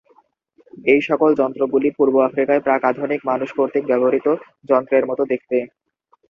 এইসকল যন্ত্রগুলি পূর্ব আফ্রিকায় প্রাক-আধুনিক মানুষ কর্তৃক ব্যবহৃত যন্ত্রের মত দেখতে।